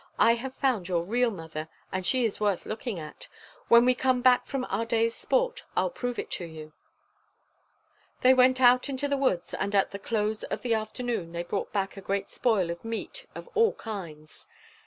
I have found your real mother, and she is worth looking at. When we come back from our day's sport, I'll prove it to you." They went out into the woods, and at the close of the afternoon they brought back a great spoil of meat of all kinds.